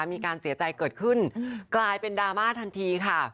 มีการเสียใจเกิดขึ้นกลายเป็นดราม่าทันทีค่ะ